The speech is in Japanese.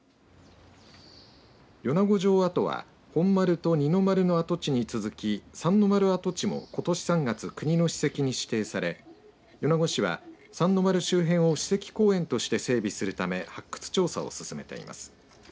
米子城跡は、本丸と二の丸の跡地に続き三の丸跡地もことし３月国の史跡に指定され米子市は、三の丸周辺を史跡公園として整備するため発掘調査を進めています。